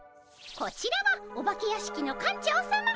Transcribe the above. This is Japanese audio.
こちらはお化け屋敷の館長さま。